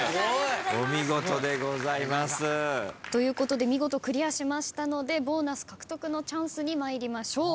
お見事でございます。ということで見事クリアしましたのでボーナス獲得のチャンスに参りましょう。